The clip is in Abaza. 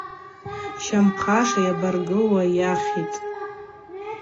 Щамхъаша йабаргылуа йахъитӏ.